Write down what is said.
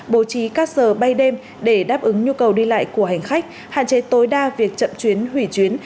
bố trí các giờ bay đêm để đáp ứng nhu cầu đi lại của hành khách hạn chế tối đa việc chậm chuyến hủy chuyến